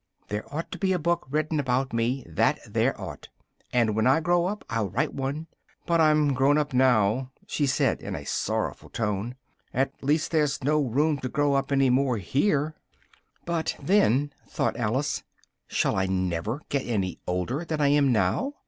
There out to be a book written about me, that there ought! and when I grow up I'll write one but I'm grown up now" said she in a sorrowful tone, "at least there's no room to grow up any more here." "But then," thought Alice, "shall I never get any older than I am now?